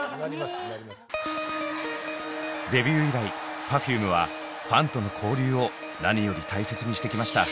デビュー以来Ｐｅｒｆｕｍｅはファンとの交流を何より大切にしてきました。